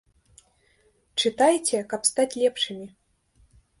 Чытайце, каб стаць лепшымі.